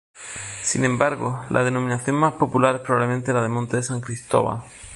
Sin embargo, la denominación más popular es probablemente la de monte de San Cristóbal.